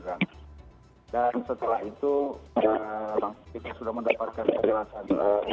setelah itu kita sudah mendapatkan penjelasan